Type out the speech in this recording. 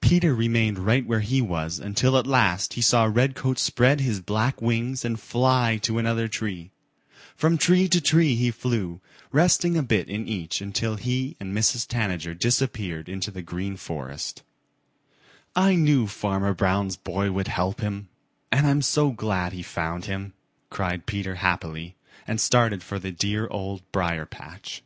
Peter remained right where he was until at last he saw Redcoat spread his black wings and fly to another tree. From tree to tree he flew, resting a bit in each until he and Mrs. Tanager disappeared in the Green Forest. "I knew Farmer Brown's boy would help him, and I'm so glad he found him," cried Peter happily and started for the dear Old Briar patch.